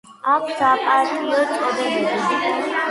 აქვს საპატიო წოდებები.